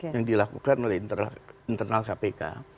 yang dilakukan oleh internal kpk